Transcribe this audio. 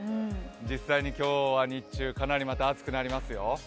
実際に今日は日中、かなり暑くなりますよ。